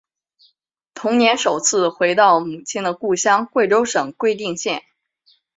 同年首次回到母亲的故乡贵州省贵定县。